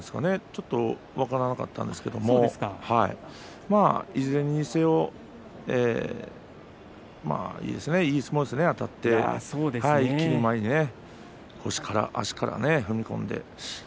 ちょっと分からなかったですけれどいずれにせよいい相撲ですね、あたって腰から足から踏み込んで。